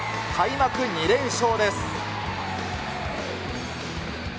開幕２連勝です。